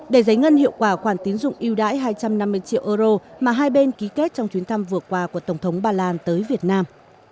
để giấy ngân hiệu quả khoản tiến dụng yêu đáy hai trăm năm mươi triệu euro mà hai bên ký kết trong chuyến thăm vượt qua của tổng thống bà lan tới việt nam